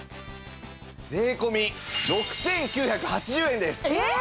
税込６９８０円です！えっ！？